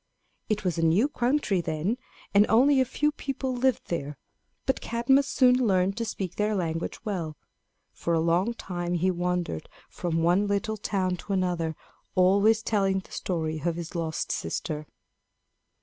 It was a new country then, and only a few people lived there, and Cadmus soon learned to speak their language well. For a long time he wandered from one little town to another, always telling the story of his lost sister.